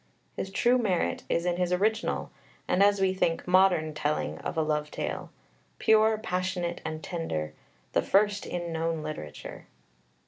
His true merit is in his original and, as we think, modern telling of a love tale pure, passionate, and tender, the first in known literature.